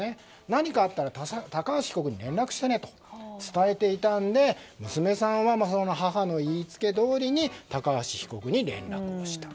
何かあったら高橋被告に連絡してねと伝えていたので娘さんは母の言いつけどおりに高橋被告に連絡をした。